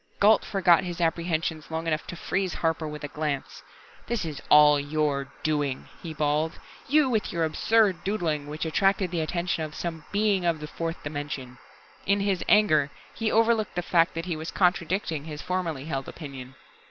Gault forgot his apprehensions long enough to freeze Harper with a glance. "This is all your doing," he bawled. "You with your absurd doodling, which attracted the attention of some Being of the fourth dimension!" In his anger, he overlooked the fact that he was contradicting his formerly held opinion.